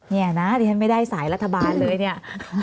เนี่ยนะที่ฉันไม่ได้สายรัฐบาลเลยเนี่ย